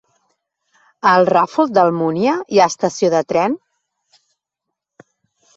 A el Ràfol d'Almúnia hi ha estació de tren?